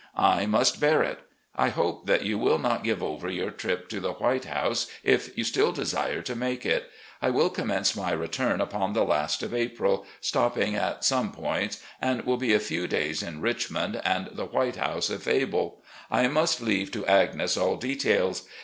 I must bear it. I hope that you will not give over your trip to the 'White House,' if you still desire to make it. I shall commence my return about the last of April, stopping at some points, and will be a few days in lUch mond, and the 'White House' if able. I must leave to Agnes all details.